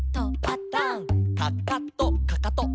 「パタン」「かかとかかと」